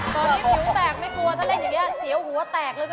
ตอนนี้ผิวแตกไม่กลัวถ้าเล่นอย่างนี้เสียวหัวแตกเลยจ